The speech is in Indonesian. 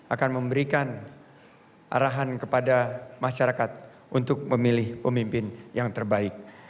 akan memberikan arahan kepada masyarakat untuk memilih pemimpin yang terbaik